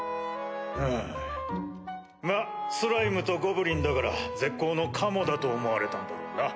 ふむまっスライムとゴブリンだから絶好のカモだと思われたんだろうな。